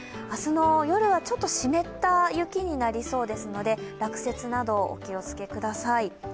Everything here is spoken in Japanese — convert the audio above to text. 明日の夜はちょっと湿った雪になりそうですので、落雪などお気をつけください。